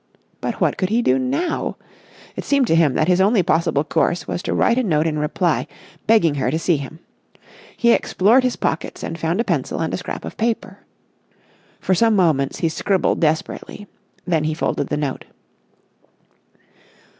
But what could he do now? It seemed to him that his only possible course was to write a note in reply, begging her to see him. He explored his pockets and found a pencil and a scrap of paper. For some moments he scribbled desperately. Then he folded the note.